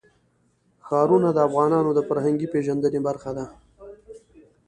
ښارونه د افغانانو د فرهنګي پیژندنې برخه ده.